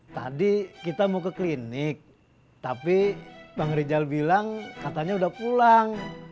tadi kita mau ke klinik tapi bang rijal bilang katanya udah pulang